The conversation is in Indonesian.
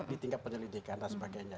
di tingkat penyelidikan dan sebagainya